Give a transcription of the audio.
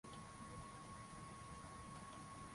Mbwa anaweza kukuuma.